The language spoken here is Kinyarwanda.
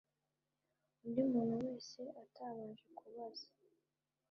undi muntu wese atabanje kubaza